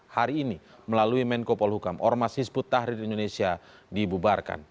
hari ini melalui menko polhukam ormas hizbut tahrir indonesia dibubarkan